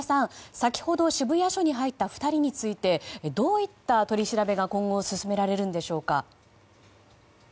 先ほど渋谷署に入った２人についてどういった取り調べ今後、進められるんでしょうか。